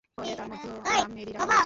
ফলে, তার মধ্য নাম ‘মেরি’ রাখা হয়েছিল।